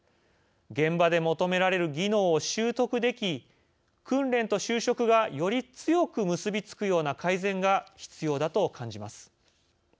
現場で求められる技能を習得でき訓練と就職がより強く結びつくような改善が必要だと感じます。